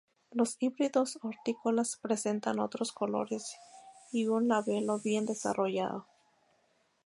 Los híbridos hortícolas presentan otros colores y un labelo bien desarrollado.